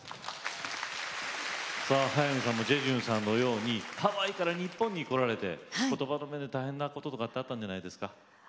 さあ早見さんもジェジュンさんのようにハワイから日本に来られてことばの面で大変なこととかってあったんじゃないですか？